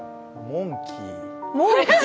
モンキー？